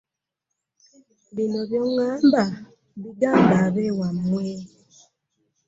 Bino by'oŋŋamba bigambe ab'ewammwe.